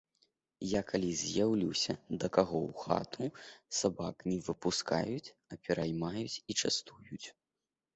Я калі з'яўлюся да каго ў хату, сабак не выпускаюць, а пераймаюць і частуюць.